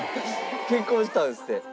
結婚したんですって。